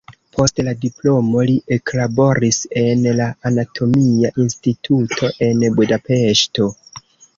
Post la diplomo li eklaboris en la anatomia instituto en Budapeŝto.